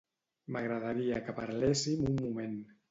M'agradaria que parlessim un moment.